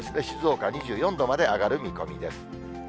静岡は２４度まで上がる見込みです。